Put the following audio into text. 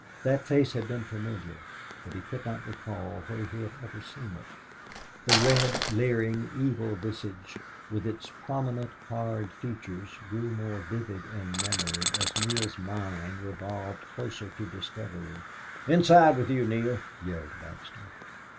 That face had been familiar, but he could not recall where he had ever seen it. The red, leering, evil visage, with its prominent, hard features, grew more vivid in memory, as Neale's mind revolved closer to discovery. "Inside with you, Neale," yelled Baxter.